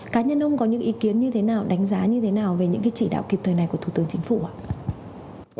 cá nhân ông có những ý kiến như thế nào đánh giá như thế nào về những chỉ đạo kịp thời này của thủ tướng chính phủ ạ